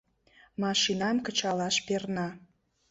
Машинам кычалаш перна.